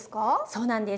そうなんです。